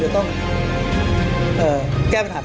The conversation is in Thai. อันดับสุดท้าย